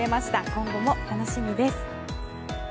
今後も楽しみです。